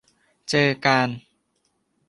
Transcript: เจอกาน